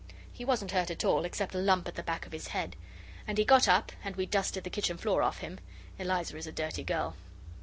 He wasn't hurt at all, except a lump at the back of his head. And he got up, and we dusted the kitchen floor off him. Eliza is a dirty girl.